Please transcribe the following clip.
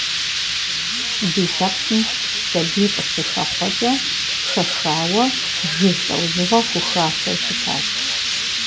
Ди лъэпкъым сабий къыщыхэхъуэкӀэ хэхауэ жыг лӀэужьыгъуэ хухасэу щытащ.